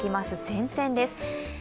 前線です。